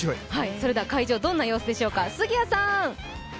それでは会場どんな様子でしょうか。